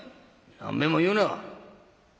何べんも言うな。